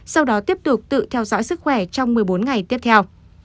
sau đó tiếp tục tự theo dõi sức khỏe trong một mươi bốn ngày tiếp theo